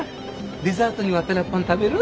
デザートにワタラッパン食べる？